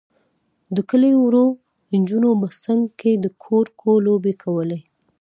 د کلي وړو نجونو به څنګ کې د کورکو لوبې کولې.